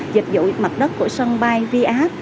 dịch vụ mặt đất của sân bay via